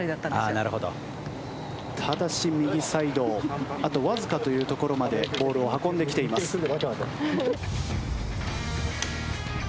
ただし右サイドあとわずかというところまでボールを運んできています。